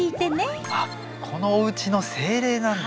あっこのおうちの精霊なんだ。